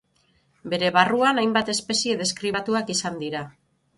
Bere barruan hainbat espezie deskribatuak izan dira.